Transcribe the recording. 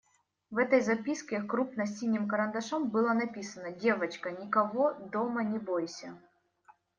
В этой записке крупно синим карандашом было написано: «Девочка, никого дома не бойся.»